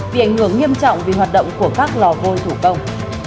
bị ảnh hưởng nghiêm trọng vì hoạt động của các lò vôi thủ công